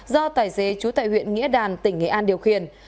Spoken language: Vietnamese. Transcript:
do tài xế chú tại huyện nghĩa đàn tỉnh nghệ an điều khiển